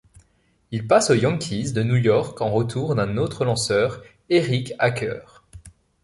Il passe aux Yankees de New York en retour d'un autre lanceur, Eric Hacker.